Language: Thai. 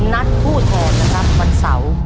นัดผู้แทนนะครับวันเสาร์